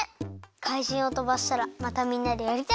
かいじんをとばしたらまたみんなでやりたいです。